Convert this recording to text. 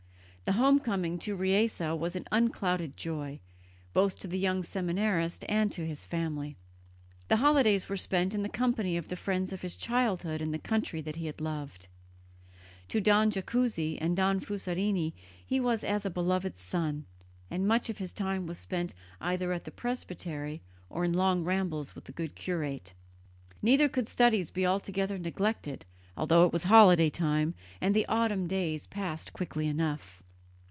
The home coming to Riese was an unclouded joy, both to the young seminarist and to his family. The holidays were spent in the company of the friends of his childhood in the country that he loved. To Don Jacuzzi and Don Fusarini he was as a beloved son, and much of his time was spent either at the presbytery or in long rambles with the good curate. Neither could studies be altogether neglected, although it was holiday time; and the autumn days passed quickly enough.